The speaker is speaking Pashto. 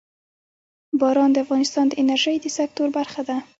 باران د افغانستان د انرژۍ د سکتور برخه ده.